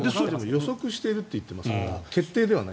予測していると言っていますから決定ではない。